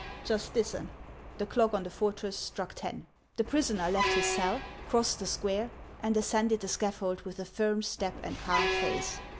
Just listen ! The clock on the fortress struck ten. The prisoner left his cell, crossed the square, and ascended the scaffold with a firm step and calm face.